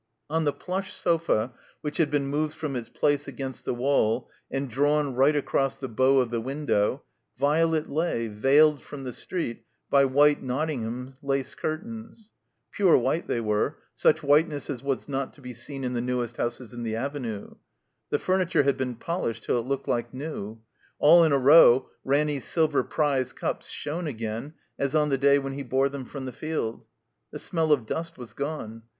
On the plush sofa, which had been moved from its place against the wall and drawn right across the bow of the window, Violet lay, veiled from the street by white Nottingham lace curtains. Pure white they were; such whiteness as was not to be seen in the newest houses in the Avenue. The furniture had be^n polished till it looked Uke new. All in a row Ranny's silver prize cups shone again as on the day when he bore them from the field. The smeU of dust was gone.